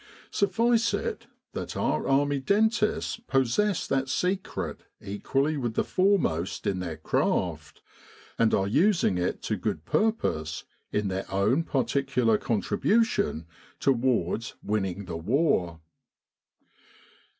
Suffice it that our Army dentists possess that secret equally with the foremost in their craft, and are using it to good pur pose in their own particular contribution towards winning the war.